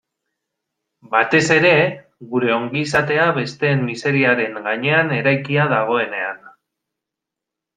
Batez ere, gure ongizatea besteen miseriaren gainean eraikia dagoenean.